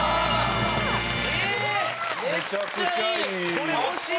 これ欲しい！